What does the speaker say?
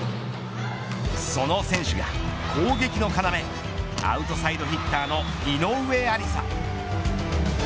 その選手が攻撃の要アウトサイドヒッターの井上愛里沙。